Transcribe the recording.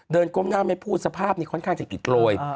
ก้มหน้าไม่พูดสภาพนี้ค่อนข้างจะอิดโรย